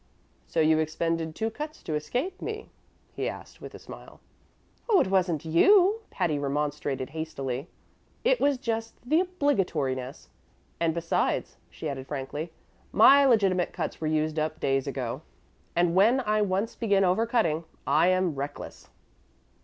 "So you expended two cuts to escape me?" he asked with a smile. "Oh, it wasn't you," Patty remonstrated hastily. "It was just the obligatoriness. And besides," she added frankly, "my legitimate cuts were used up days ago, and when I once begin over cutting, I am reckless."